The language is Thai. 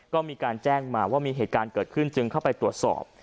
ก็มีการแจ้งมาว่ามีเหตุการณ์เกิดขึ้นจึงเข้าไปตรวจสอบ